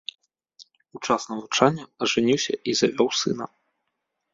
У час навучання ажаніўся і завёў сына.